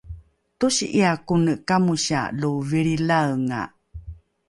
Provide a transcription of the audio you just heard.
tosi’ia kone kamosia lo vilrilaenga